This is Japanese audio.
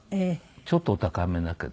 ちょっとお高めだけど。